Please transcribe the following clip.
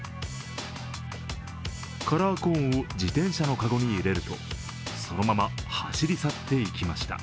カラーコーンを自転車の籠に入れると、そのまま走り去っていきました。